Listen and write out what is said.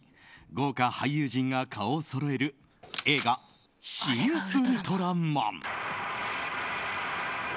豪華俳優陣が顔をそろえる映画「シン・ウルトラマン」。